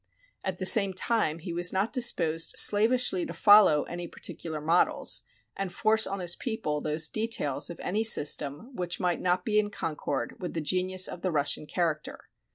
At the same time he was not disposed slavishly to follow any particular models, and force on his people those details of any system which might not be in concord with the genius of the Russian character.